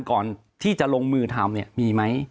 ก่อนที่จะลงมือทำมีไหม